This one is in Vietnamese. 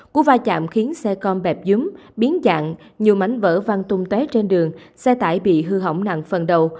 cú va chạm khiến xe con bẹp dúm biến dạng nhiều mảnh vỡ văn tung tué trên đường xe tải bị hư hỏng nặng phần đầu